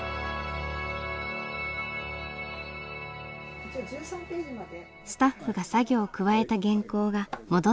スタッフが作業を加えた原稿が戻ってきました。